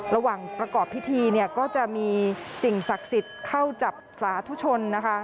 ระหว่างประกอบพิธีเนี่ยก็จะมีสิ่งศักดิ์สิทธิ์เข้าจับสาธุชนนะคะ